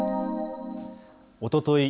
おととい